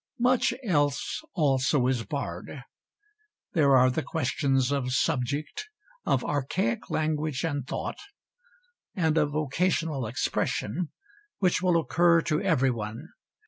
Much else also is barred. There are the questions of subject, of archaic language and thought, and of occasional expression, which will occur to everyone.